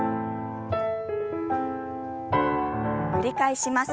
繰り返します。